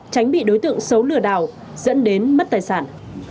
tránh bị đối tượng xấu lừa đảo dẫn đến mất tài sản